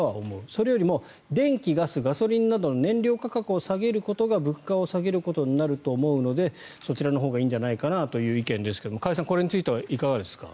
それよりも電気、ガスガソリンなどの燃料価格を下げることが物価を下げることになると思うのでそちらのほうがいいんじゃないかという意見ですけれども加谷さんこれについてはいかがですか？